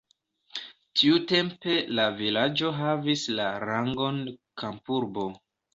Tiutempe la vilaĝo havis la rangon kampurbo.